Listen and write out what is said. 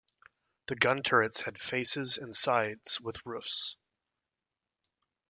The gun turrets had faces and sides with roofs.